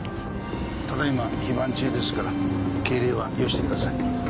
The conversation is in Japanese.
ただ今非番中ですから敬礼はよしてください。